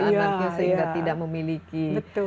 anaknya sehingga tidak memiliki